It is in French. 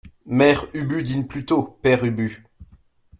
Mère Ubu Dîne plutôt, Père Ubu.